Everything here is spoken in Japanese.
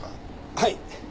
はい。